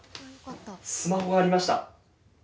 スマホがありました。